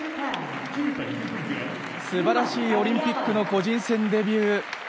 素晴らしいオリンピックの個人戦デビュー。